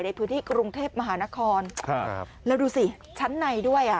ในพื้นที่กรุงเทพมหานครครับแล้วดูสิชั้นในด้วยอ่ะ